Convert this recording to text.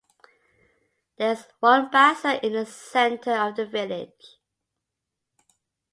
There is one bazar in the center of the village.